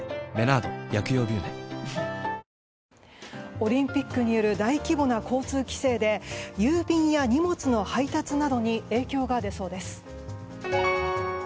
オリンピックによる大規模な交通規制で郵便や荷物の配達などに影響が出そうです。